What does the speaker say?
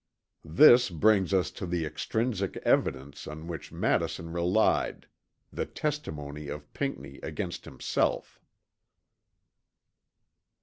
This brings us to the extrinsic evidence on which Madison relied, the testimony of Pinckney against himself.